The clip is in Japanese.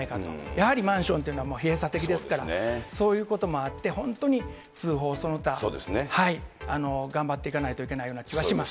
やはりマンションというのは、閉鎖的ですから、そういうこともあって、本当に通報その他、頑張っていかないといけないような気がします。